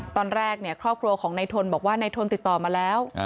ตอนแรกครอบครัวของนายทนบอกว่าในทนติดต่อมาแล้ว